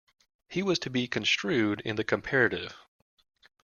He was to be construed in the comparative.